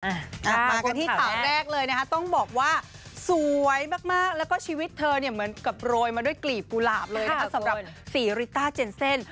มากันที่ข่าวแรกเลยนะคะต้องบอกว่าสวยมากแล้วก็ชีวิตเธอเนี่ยเหมือนกับโรยมาด้วยกลีบกุหลาบเลยนะคะสำหรับสีริต้าเจนเซ่น